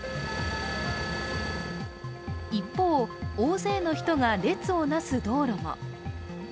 一方、大勢の人が列を成す道路も。